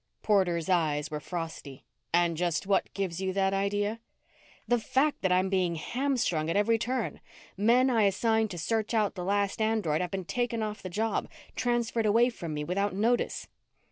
Porter's eyes were frosty. "And just what gives you that idea?" "The fact that I'm being hamstrung at every turn. Men I assigned to search out the last android have been taken off the job, transferred away from me without notice."